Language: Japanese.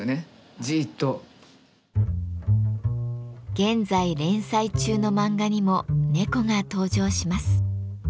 現在連載中の漫画にも猫が登場します。